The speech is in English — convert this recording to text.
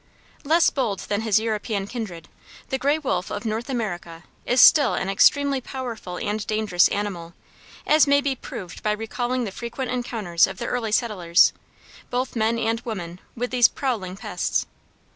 Less bold than his European kindred, the gray wolf of North America is still an extremely powerful and dangerous animal, as may be proved by recalling the frequent encounters of the early settlers both men and women with these prowling pests.